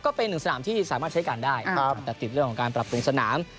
ก็เป็นหนึ่งสนามที่สามารถใช้การได้แต่ติดเรื่องของการปรับปรุงสนาม